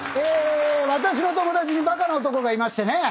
私の友達にバカな男がいましてね。